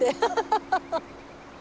ハハハハハ。